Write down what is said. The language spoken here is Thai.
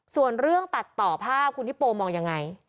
ส่วนเรื่องตัดต่อภาพคุณฮิปโปมองยังไง